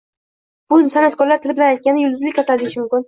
Buni san`atkorlar tili bilan aytganda yulduzlik kasali deyish mumkin